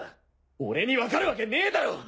俺にわかるわけねえだろ！